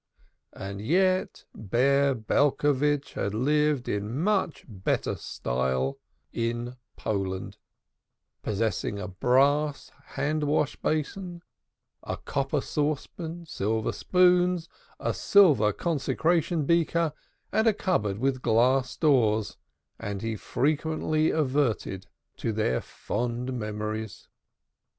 And yet Bear Belcovitch had lived in much better style in Poland, possessing a brass wash hand basin, a copper saucepan, silver spoons, a silver consecration beaker, and a cupboard with glass doors, and he frequently adverted to their fond memories.